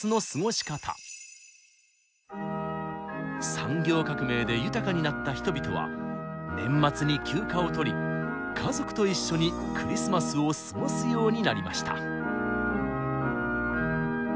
産業革命で豊かになった人々は年末に休暇を取り家族と一緒にクリスマスを過ごすようになりました。